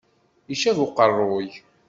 Icab uqerruy.